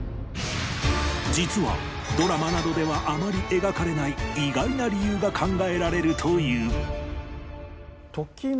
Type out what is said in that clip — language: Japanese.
実はドラマなどではあまり描かれない意外な理由が考えられるという